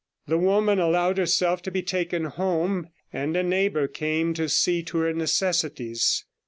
The woman allowed herself to be taken home, and a neighbour came to see to her necessities.